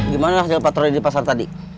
gimana hasil patroli di pasar tadi